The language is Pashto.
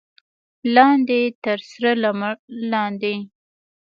لاندې تر سره لمر لاندې.